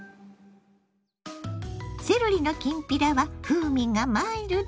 セロリのきんぴらは風味がマイルド。